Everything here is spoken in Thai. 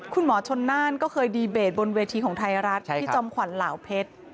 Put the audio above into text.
คุณหมอชนน่านก็เคยดีเบตบนเวทีของไทยรัฐพี่จอมขวัญเหล่าเพชร